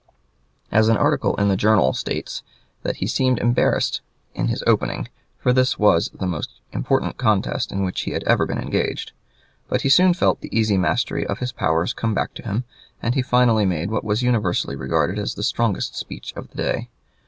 An article in the "Journal" states that he seemed embarrassed in his opening, for this was the most important contest in which he had ever been engaged. But he soon felt the easy mastery of his powers come back to him, and he finally made what was universally regarded as the strongest speech of the day.